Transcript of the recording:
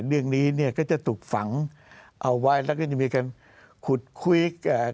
เรื่องนี้เนี่ยก็จะถูกฝังเอาไว้แล้วก็จะมีการขุดคุยกับ